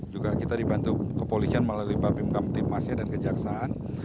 juga kita dibantu kepolisian melalui papim kampung timmasya dan kejaksaan